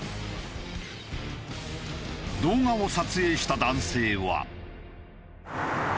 動画を撮影した男性は。